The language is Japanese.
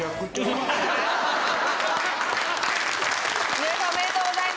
井上さんおめでとうございます。